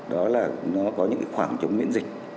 đó là nó có những khoảng trống miễn dịch